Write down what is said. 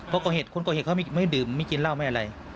เพราะก่อเหตุคนก่อเหตุเขาไม่ดื่มไม่กินเหล้าไม่อะไร